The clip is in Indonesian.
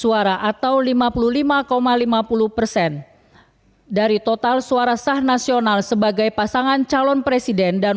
tujuh ribu tiga ratus enam puluh dua suara atau lima puluh lima lima puluh persen dari total suara sah nasional sebagai pasangan calon presiden dan